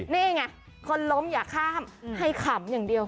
นี่ไงคนล้มอย่าข้ามให้ขำอย่างเดียว